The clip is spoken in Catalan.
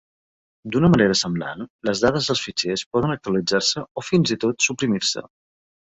D'una manera semblant, les dades dels fitxers poden actualitzar-se o, fins i tot, suprimir-se.